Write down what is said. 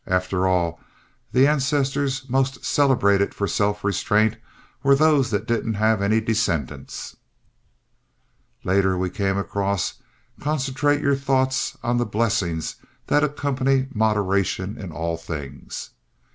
After all, the ancestors most celebrated for self restraint were those that didn't have any descendants. Later we came across "Concentrate your thought on the blessings that accompany moderation in all things."